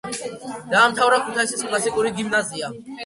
დაამთავრა ქუთაისის კლასიკური გიმნაზია.